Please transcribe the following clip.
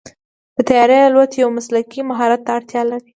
د طیارې الوت یو مسلکي مهارت ته اړتیا لري.